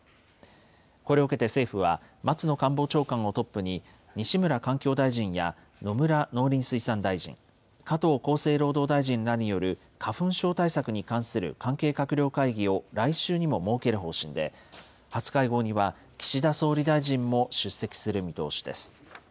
これを受けて政府は、松野官房長官をトップに、西村環境大臣や野村農林水産大臣、加藤厚生労働大臣らによる花粉症対策に関する関係閣僚会議を来週にも設ける方針で、初会合には岸田総理大臣も出席する見通しです。